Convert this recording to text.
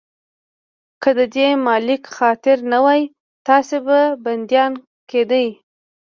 که د دې ملک خاطر نه وای، تاسې به بنديان کېدئ.